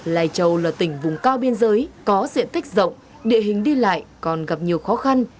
lai châu là tỉnh vùng cao biên giới có diện tích rộng địa hình đi lại còn gặp nhiều khó khăn